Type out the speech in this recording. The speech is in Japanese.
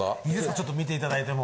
ちょっと見て頂いても。